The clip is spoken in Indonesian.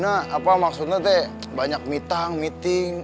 apa maksudnya banyak meeting